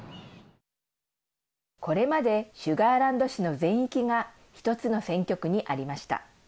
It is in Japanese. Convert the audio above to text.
これまでシュガーランド市の全域が１つの選挙区にありました。